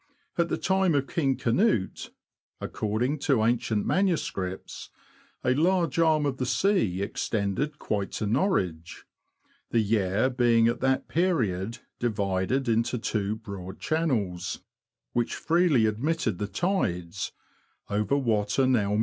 At the time of King Canute — according to ancient manuscripts — a large arm of the sea extended quite to Norwich ; the Yare being at that period divided into two broad channels, which freely admitted the tides, over what are now H 98 THE LAND OF THE BROADS.